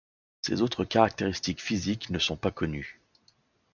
Ses autres caractéristiques physiques ne sont pas connues.